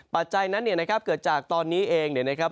ปัจจัยนั้นเนี่ยนะครับเกิดจากตอนนี้เองเนี่ยนะครับ